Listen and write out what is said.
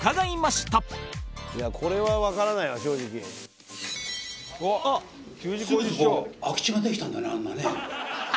いやこれはわからないわ正直。